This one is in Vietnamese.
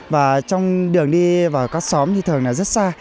và trong đường đi vào các xóm thì thường là rất xa